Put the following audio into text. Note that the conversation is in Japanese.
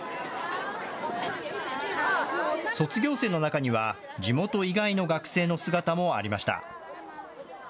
卒業生の中には、地元以外の学生の姿もありました。